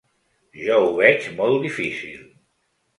Jo ho veig molt difícil.